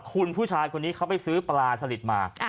คุณผู้ชายคนนี้เขาไปซื้อปลาสลิดมา